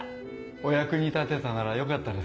お役に立てたならよかったです。